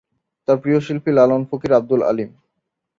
তার প্রিয় শিল্পী লালন ফকির, আব্দুল আলীম।